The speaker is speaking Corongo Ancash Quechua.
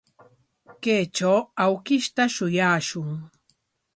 Kaytraw awkishta shuyashun.